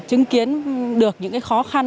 chứng kiến được những cái khó khăn